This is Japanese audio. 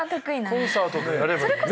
コンサートでやれば。